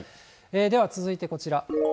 では続いてこちら。